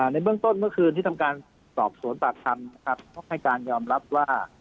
ในเบื้องต้นเมื่อคืนที่ทำการสอบสวนปากคำนะครับก็ให้การยอมรับว่า